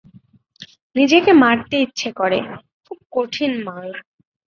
নিজেকে মারতে ইচ্ছে করে, খুব কঠিন মার।